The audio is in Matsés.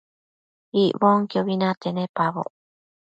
Icbonquiobi nate nepaboc